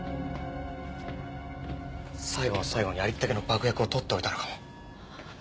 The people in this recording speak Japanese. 最後の最後にありったけの爆薬を取っておいたのかも。